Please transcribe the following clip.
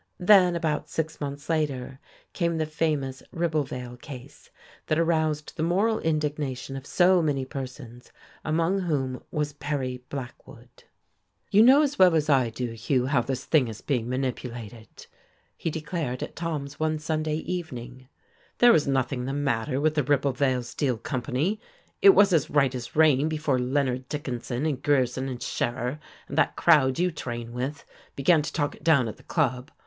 Then, about six months later, came the famous Ribblevale case that aroused the moral indignation of so many persons, among whom was Perry Blackwood. "You know as well as I do, Hugh, how this thing is being manipulated," he declared at Tom's one Sunday evening; "there was nothing the matter with the Ribblevale Steel Company it was as right as rain before Leonard Dickinson and Grierson and Scherer and that crowd you train with began to talk it down at the Club.